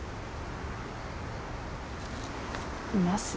います？